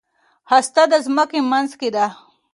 هسته د ځمکې منځ کې ده.